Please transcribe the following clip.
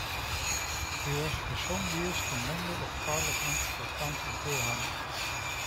He was for some years the Member of Parliament for County Durham.